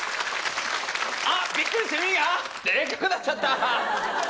あっびっくりして耳がでっかくなっちゃった！